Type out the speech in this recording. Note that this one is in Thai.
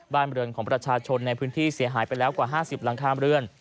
บริเวณของประชาชนในพื้นที่เสียหายไปแล้วกว่า๕๐หลังคาเรือน